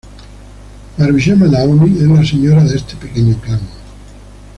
Maruyama Naomi es la señora de este pequeño clan.